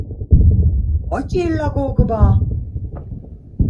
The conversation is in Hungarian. A csillagokba!